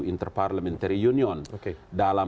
interparliamentary union dalam